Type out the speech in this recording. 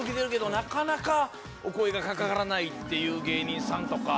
なかなかお声がかからないっていう芸人さんとか。